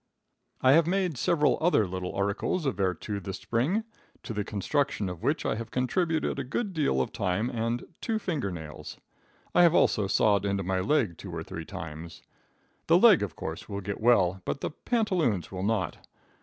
I have made several other little articles of vertu this spring, to the construction of which I have contributed a good deal of time and two finger nails. I have also sawed into my leg two or three times. The leg, of course, will get well, but the pantaloons will not.